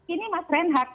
ini mas renhak